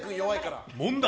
問題！